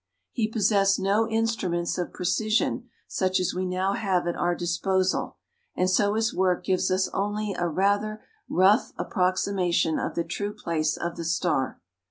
He possessed no instruments of precision such as we now have at our disposal, and so his work gives us only a rather rough approximation of the true place of the star.